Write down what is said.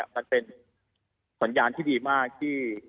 มันเป็นสัญญาณที่ดีมากที่